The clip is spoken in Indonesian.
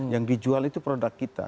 yang dijual itu produk kita